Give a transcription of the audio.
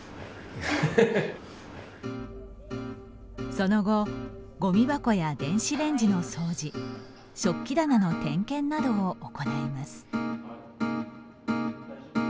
その後ごみ箱や電子レンジの掃除食器棚の点検などを行います。